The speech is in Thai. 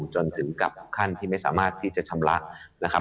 จนถึงกับขั้นที่ไม่สามารถที่จะชำระนะครับ